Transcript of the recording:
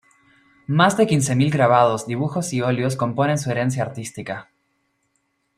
Más de quince mil grabados, dibujos y óleos componen su herencia artística.